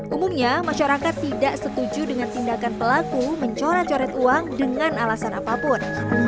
umumnya masyarakat tidak setuju dengan tindakan pelaku mencoret coret uang dengan alasan apapun